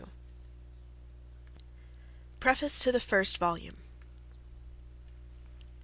] Preface To The First Volume.